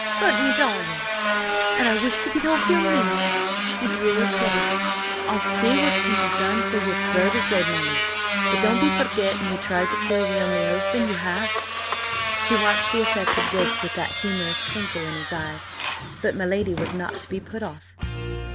"But, me darlin'—" "And I wish to get off your knee." He drew her close. "I'll see what can be done for your protégé, Molly. But don't be forgetting he tried to kill the only husband you have!" He watched the effect of this with that humorous twinkle in his eye. But my lady was not to be put off.